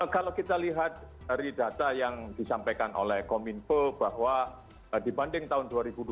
kalau kita lihat dari data yang disampaikan oleh kominfo bahwa dibanding tahun dua ribu dua puluh